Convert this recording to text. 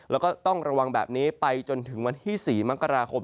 แล้วก็ต้องระวังแบบนี้ไปจนถึงวันที่๔มกราคม